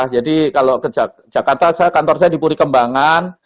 jadi kalau ke jakarta kantor saya di puri kembangan